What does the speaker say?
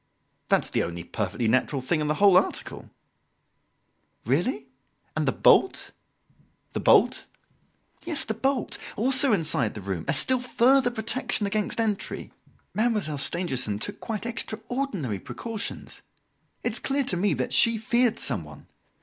"That's the only perfectly natural thing in the whole article." "Really! And the bolt?" "The bolt?" "Yes, the bolt also inside the room a still further protection against entry? Mademoiselle Stangerson took quite extraordinary precautions! It is clear to me that she feared someone.